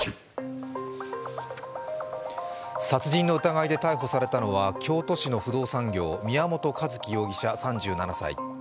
殺人の疑いで逮捕されたのは京都市の不動産業、宮本一希容疑者３７歳。